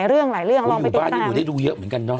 คือมีหลายเรื่องหนูอยุ่บ้านนี่หนูได้ดูเยอะเหมือนกันนะ